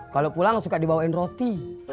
kalau pulang suka dibawain roti